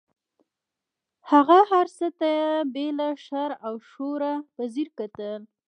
هغه هر څه ته بې له شر او شوره په ځیر کتل.